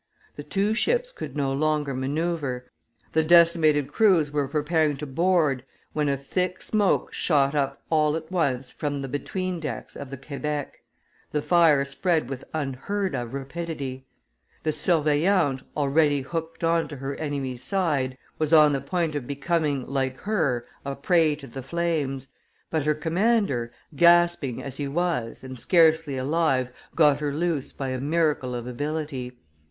The two ships could no longer manoeuvre, the decimated crews were preparing to board, when a thick smoke shot up all at once from the between decks of the Quebec; the fire spread with unheard of rapidity; the Surveillante, already hooked on to her enemy's side, was on the point of becoming, like her, a prey to the flames, but her commander, gasping as he was and scarcely alive, got her loose by a miracle of ability.